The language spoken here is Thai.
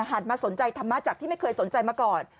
มาสนใจธรรมะจากที่ไม่เคยสนใจมาก่อน